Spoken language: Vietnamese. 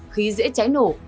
khi dễ cháy nổ